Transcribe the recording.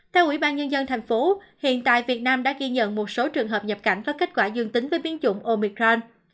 theo ủy ban nhân dân thành phố hiện tại việt nam đã ghi nhận một số trường hợp nhập cảnh có kết quả dương tính với biến chủng omicron